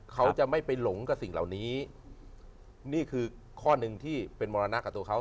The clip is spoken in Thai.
เขาจะไม่ไปหลงกับสิ่งเหล่านี้นี่คือข้อหนึ่งที่เป็นมรณะกับตัวเขา